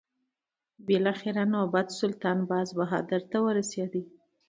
بالاخره نوبت سلطان باز بهادر ته ورسېد.